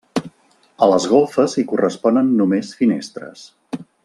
A les golfes hi corresponen només finestres.